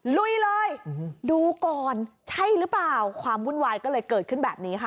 ลุยเลยดูก่อนใช่หรือเปล่าความวุ่นวายก็เลยเกิดขึ้นแบบนี้ค่ะ